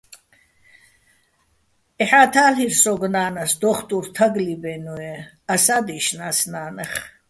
ეჰა́თ ა́ლირ სოგო̆ ნანას, დო́ხტურ თაგლიბ-ა́ჲნო̆-ე́ ასა́ დი́შნა́ს ნანეხ.